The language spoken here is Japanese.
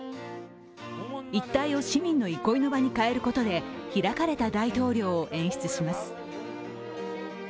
一帯を市民の憩いの場に変えることで開かれた大統領を演出します。